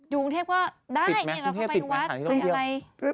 อยู่กรุงเทพฯก็ได้เราเข้าไปทางที่ท่องเที่ยว